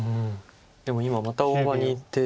でも今また大場にいって。